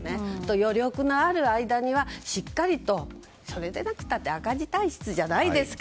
余力のある間にはしっかりと、それでなくたって赤字体質じゃないですか。